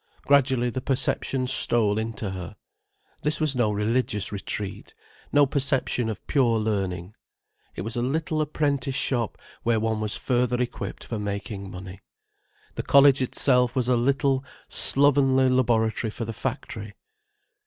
Gradually the perception stole into her. This was no religious retreat, no perception of pure learning. It was a little apprentice shop where one was further equipped for making money. The college itself was a little, slovenly laboratory for the factory.